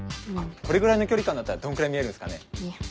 これぐらいの距離感だったらどんくらい見えるんすかね？